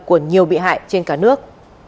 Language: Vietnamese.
của nhiều bị hại trên cả nước